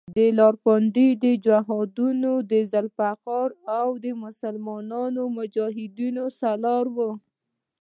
د راولپنډۍ د جهادونو ذوالفقار او د مسلمانو مجاهدینو سالار وو.